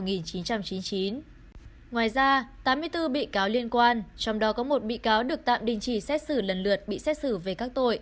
ngoài ra tám mươi bốn bị cáo liên quan trong đó có một bị cáo được tạm đình chỉ xét xử lần lượt